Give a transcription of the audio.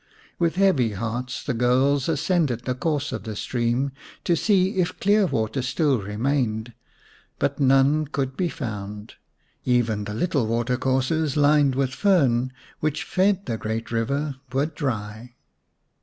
With heavy hearts the girls ascended the course of the stream to see if clear water still remained, but none could be found. Even the little water courses lined with fern, which fed the great river, were dry.